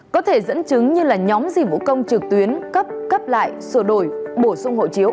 có thể dẫn chứng như là nhóm dịch vụ công trực tuyến cấp cấp lại sửa đổi bổ sung hộ chiếu